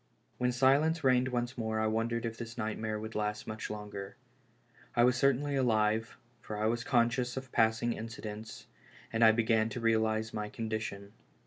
AVhen silence reigned once more I wondered if this nightmare would last much longer. I was certainly alive, for I was conscious of passing incidents, and I be gan to realize my condition.